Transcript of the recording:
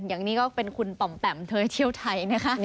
อย่างนี้ก็เป็นคุณป่อมแปมเธอเที่ยวไทยนะคะ